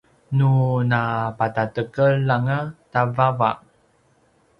nu napatatekel anga ta vava